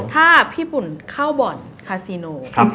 ถ้าพี่ปุ่นเข้าบอร์ดคาซีโน